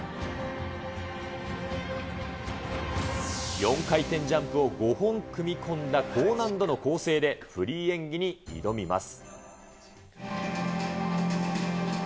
４回転ジャンプを５本組み込んだ高難度の構成で、フリー演技に挑みます。